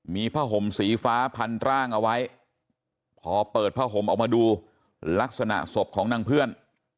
มีผ้าห่มสีฟ้าพันร่างเอาไว้พอเปิดผ้าห่มออกมาดูลักษณะศพของนางเพื่อน